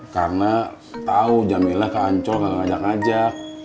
karena tau jamilah kancol gak ngajak ngajak